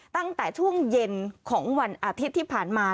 ตั้งแต่ช่วงเย็นของวันอาทิตย์ที่ผ่านมา